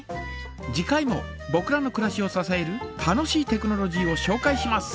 次回もぼくらのくらしをささえる楽しいテクノロジーをしょうかいします。